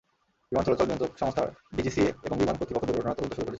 বিমান চলাচল নিয়ন্ত্রক সংস্থা ডিজিসিএ এবং বিমান কর্তৃপক্ষ দুর্ঘটনার তদন্ত শুরু করেছে।